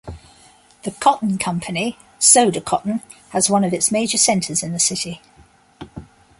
The cotton company Sodecoton has one of its major centres in the city.